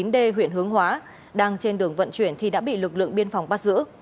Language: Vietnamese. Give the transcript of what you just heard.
d huyện hướng hóa đang trên đường vận chuyển thì đã bị lực lượng biên phòng bắt giữ